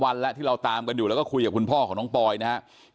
วันแล้วที่เราตามกันอยู่แล้วก็คุยกับคุณพ่อของน้องปอยนะครับ